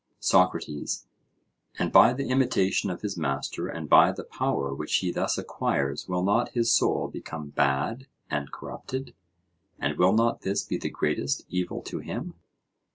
SOCRATES: And by the imitation of his master and by the power which he thus acquires will not his soul become bad and corrupted, and will not this be the greatest evil to him?